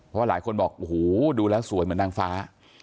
เพราะหลายคนบอกโอ้โหดูแล้วสวยเหมือนนางฟ้า